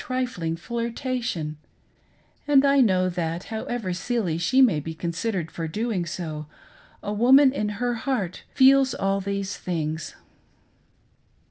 trifling flirtation ; and I know that, however silly she may be considered for doing so, a woman in her heart feels all these things.